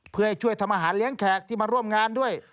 เพื่อให้ช่วยทำอาหารเลี้ยงแขกที่มาร่วมงานด้วย